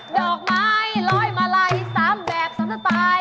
ดอกไม้รอยมาลัยสามแบบสามสตาย